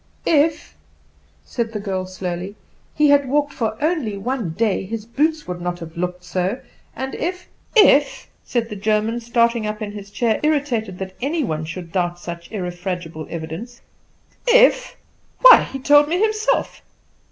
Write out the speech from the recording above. "If," said the girl slowly, "he had walked for only one day his boots would not have looked so; and if " "If!" said the German starting up in his chair, irritated that any one should doubt such irrefragable evidence "if! Why, he told me himself!